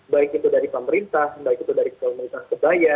baik itu dari pemerintah baik itu dari komunitas kebaya